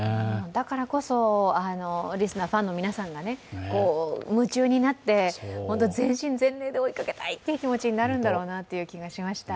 だからこそ、リスナー、ファンの方が夢中になって全身全霊で追いかけたいという気持ちになるんだろうなという気がしました。